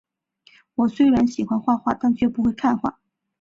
我虽然喜欢画画，但却不会看画